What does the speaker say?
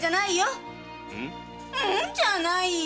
「ん？」じゃないよ。